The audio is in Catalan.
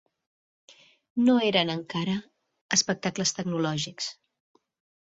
No eren, encara, espectacles tecnològics.